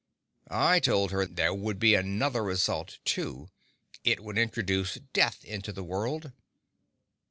I told her there would be another result, too—it would introduce death into the world.